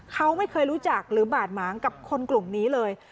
เขาไม่เคยรู้จักหรือบาดหมางกับคนกลุ่มนี้เลย